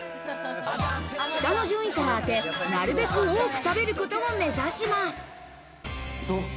下の順位から、当て、なるべく多く食べることを目指します。